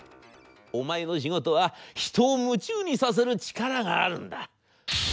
お前の仕事は人を夢中にさせる力があるんだ』。